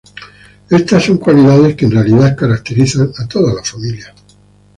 Estas son cualidades que, en realidad, caracterizan a toda la familia.